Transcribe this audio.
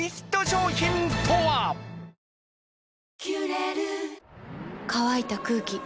「キュレル」乾いた空気。